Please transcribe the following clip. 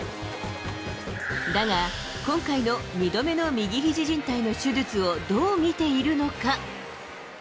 だが、今回の２度目の右ひじじん帯の手術をどう見ているのか。